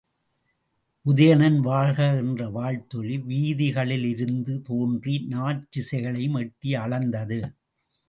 உதயணன் வாழ்க! என்ற வாழ்த்தொலி வீதிகளிலிருந்து தோன்றி, நாற்றிசைகளையும் எட்டி அளந்தது.